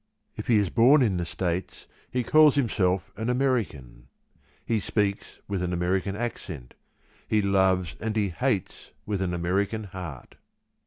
If he is born in the States, he calls himself an American he speaks with an American accent; he loves and he hates with an American heart.